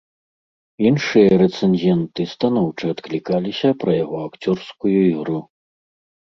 Іншыя рэцэнзенты станоўча адклікаліся пра яго акцёрскую ігру.